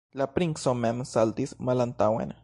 La princo mem saltis malantaŭen.